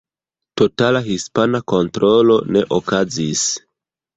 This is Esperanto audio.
Totala hispana kontrolo ne okazis.